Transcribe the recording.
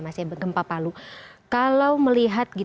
masih gempa palu kalau melihat